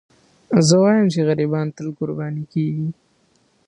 زه وایم چې غریبان تل قرباني کېږي.